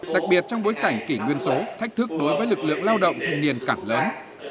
đặc biệt trong bối cảnh kỷ nguyên số thách thức đối với lực lượng lao động thanh niên càng lớn